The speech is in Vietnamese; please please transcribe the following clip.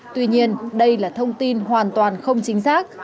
tuy nhiên đây là thông tin hoàn toàn không chính xác